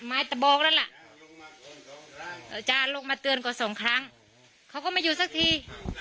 ไม้ตะโกกนั่นแหละจะลงมาเตือนกว่าสองครั้งเขาก็ไม่หยุดสักที